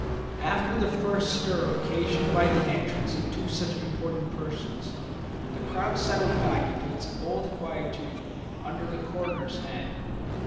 After the first stir occasioned by the entrance of two such important persons the crowd settled back into its old quietude under the coroner's hand.